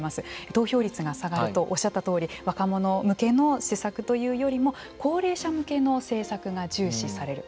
投票率が下がるとおっしゃったとおり若者向けの施策というよりも高齢者向けの政策が重視される。